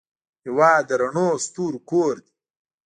هېواد د رڼو ستورو کور دی.